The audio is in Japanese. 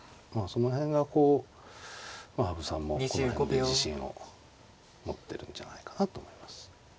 その辺がこうまあ羽生さんもこの辺で自信を持ってるんじゃないかなと思います。